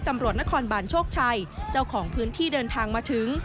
ตำรวจนครบานโชคชัยเจ้าของพื้นที่เดินทางมาถึง